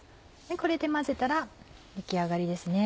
これで混ぜたら出来上がりですね。